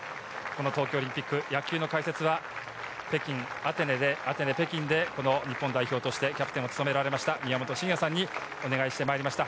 東京オリンピック野球の解説は北京、アテネで、日本代表としてキャプテンを務めた宮本慎也さんにお願いしてきました。